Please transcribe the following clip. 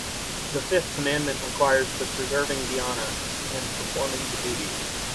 The fifth commandment requires the preserving the honor, and performing the duties